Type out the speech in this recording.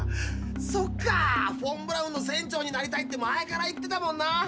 そっかぁ「フォン・ブラウンの船長になりたい」って前から言ってたもんな。